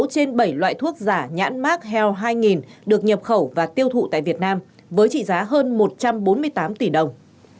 sáu trên bảy loại thuốc giả nhãn mát heo hai được nhập khẩu và tiêu thụ tại việt nam với trị giá hơn một trăm bốn mươi tám tỷ đồng